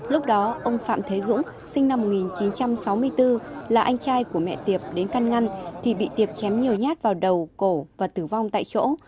lúc đó ông phạm thế dũng sinh năm một nghìn chín trăm sáu mươi bốn là anh trai của mẹ tiệp đến căn ngăn thì bị tiệp chém nhiều nhát vào đầu cổ và tử vong tại chỗ